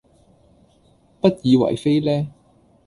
不以爲非呢？